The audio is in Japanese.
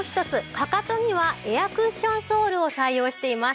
かかとにはエアクッションソールを採用しています。